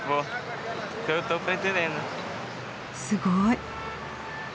すごい。